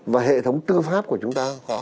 và hệ thống tư pháp của chúng ta có